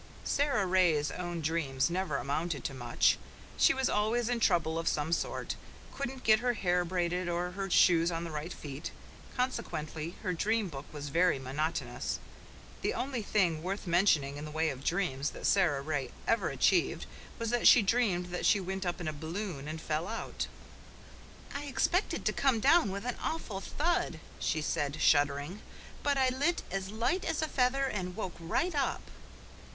Sara Ray's own dreams never amounted to much. She was always in trouble of some sort couldn't get her hair braided, or her shoes on the right feet. Consequently, her dream book was very monotonous. The only thing worth mentioning in the way of dreams that Sara Ray ever achieved was when she dreamed that she went up in a balloon and fell out. "I expected to come down with an awful thud," she said shuddering, "but I lit as light as a feather and woke right up."